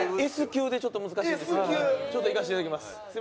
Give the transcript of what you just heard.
Ｓ級でちょっと難しいんですけどもちょっといかせていだきます。